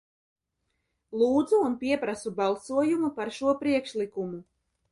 Lūdzu un pieprasu balsojumu par šo priekšlikumu.